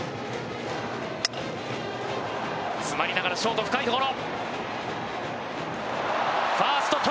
詰まりながらショート、深いところ。